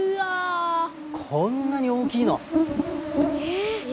こんなに大きいの。え！